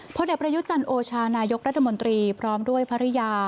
เด็กประยุจันทร์โอชานายกรัฐมนตรีพร้อมด้วยภรรยา